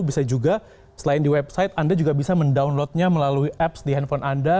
bisa juga selain di website anda juga bisa mendownloadnya melalui apps di handphone anda